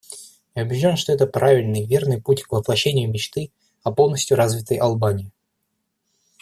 Я убежден, что это правильный, верный путь к воплощению мечты о полностью развитой Албании.